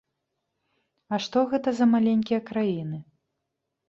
А што гэта за маленькія краіны?